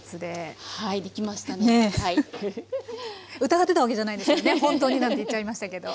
疑ってたわけじゃないですからね「ほんとに」なんて言っちゃいましたけど。